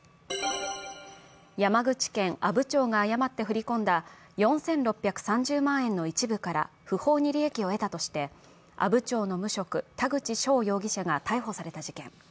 山口県阿武町が誤って振り込んだ４６３０万円の一部から不法に利益を得たとして、阿武町の無職、田口翔容疑者が逮捕された事件。